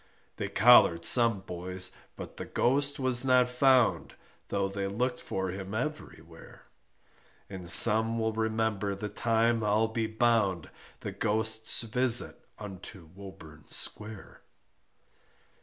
They collared some boys, but the Ghost was not found, Though they looked for him everywhere, And some will remember the time I'll be bound The Ghost's visit unto Woburn Square.